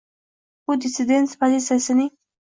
bu “dissident” pozitsiyasining